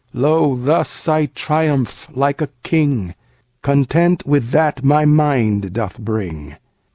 Lo, thus I triumph like a king, Content with that my mind doth bring.